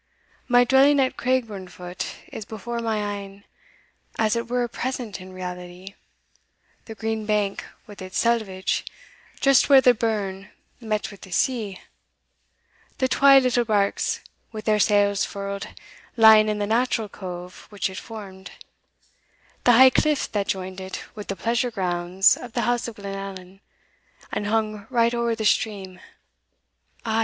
My dwelling at Craigburnfoot is before my een, as it were present in reality: the green bank, with its selvidge, just where the burn met wi' the sea the twa little barks, wi' their sails furled, lying in the natural cove which it formed the high cliff that joined it with the pleasure grounds of the house of Glenallan, and hung right ower the stream Ah!